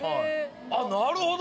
あっなるほど！